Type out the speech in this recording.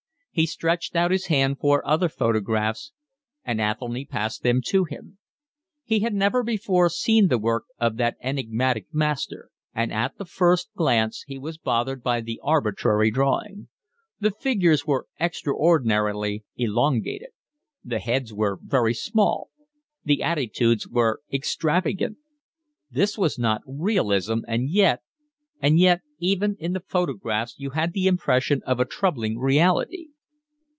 He stretched out his hand for other photographs, and Athelny passed them to him. He had never before seen the work of that enigmatic master; and at the first glance he was bothered by the arbitrary drawing: the figures were extraordinarily elongated; the heads were very small; the attitudes were extravagant. This was not realism, and yet, and yet even in the photographs you had the impression of a troubling reality.